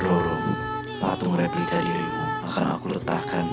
lorong patung replika dirimu akan aku letakkan